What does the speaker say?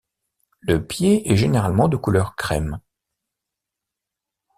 Le pied est généralement de couleur crème.